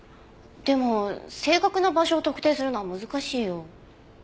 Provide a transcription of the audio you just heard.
でも正確な場所を特定するのは難しいよ。